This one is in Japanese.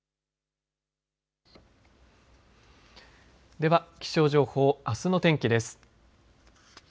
では気象情報あすの天気です。